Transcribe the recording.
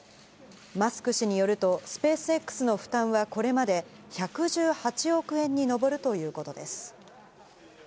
マスク氏によると、スペースＸの負担はこれまで１１８億円に上るということです。